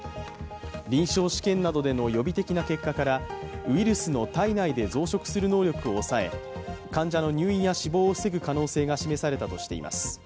臨床試験などでの予備的な結果から、ウイルスの体内で増殖する能力を抑え患者の入院や死亡を防ぐ可能性が示されたとしています。